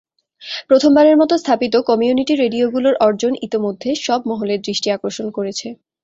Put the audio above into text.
প্রথমবারের মতো স্থাপিত কমিউনিটি রেডিওগুলোর অর্জন ইতিমধ্যে সব মহলের দৃষ্টি আকর্ষণ করেছে।